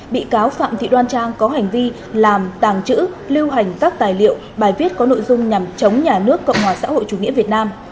bị cáo phạm thị đoan trang có hành vi làm tàng trữ lưu hành các tài liệu bài viết có nội dung nhằm chống nhà nước cộng hòa xã hội chủ nghĩa việt nam